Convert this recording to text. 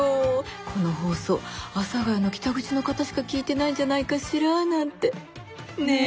この放送阿佐ヶ谷の北口の方しか聴いてないんじゃないかしらなんて。ねぇ。